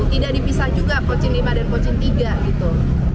tidak dipisah juga pondok cina i dan pondok cina iii gitu